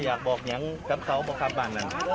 อยากบอกอยั้งกับเค้าที่ฆ่าบ้านนั้น